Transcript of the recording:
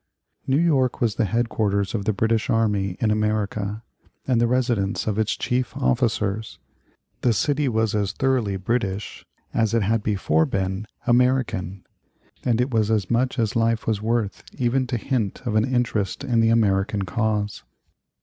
New York was the head quarters of the British army in America, and the residence of its chief officers. The city was as thoroughly British as it had before been American, and it was as much as life was worth even to hint of an interest in the American cause.